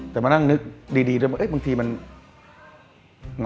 แต่มานั่งนึกดีบางทีมัน